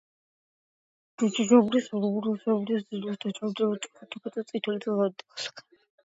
შედგება ორი თანაბარი ჰორიზონტალური, ზედა თეთრი და ქვედა წითელი ზოლისგან.